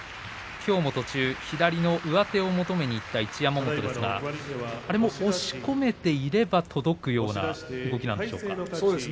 きょうも途中、左の上手を求めにいった一山本ですが押し込めていれば届くような動きなんでしょうか。